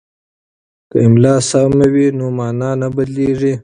که املا سمه وي نو مانا نه بدلیږي.